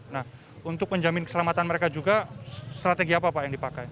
nah untuk menjamin keselamatan mereka juga strategi apa pak yang dipakai